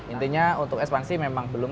intinya untuk ekspansi memang belum